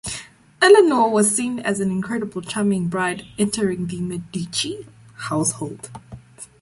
Eleanor was seen as an incredibly charming bride entering the Medici household.